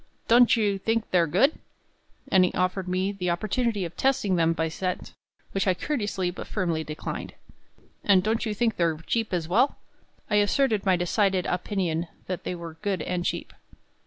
"Don't you think they're good?" and he offered me the opportunity of testing them by scent, which I courteously but firmly declined, "and don't you think they're cheap as well?" I asserted my decided opinion that they were good and cheap.